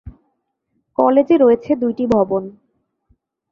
কলেজে রয়েছে দুইটি ভবন।